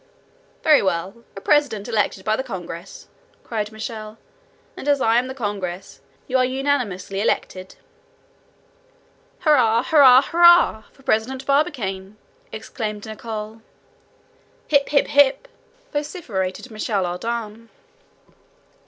"Very well, a president elected by the congress," cried Michel; "and as I am the congress, you are unanimously elected!" "Hurrah! hurrah! hurrah! for President Barbicane," exclaimed Nicholl. "Hip! hip! hip!" vociferated Michel Ardan.